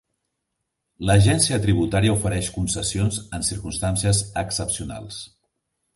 L'Agència tributaria ofereix concessions en circumstàncies excepcionals.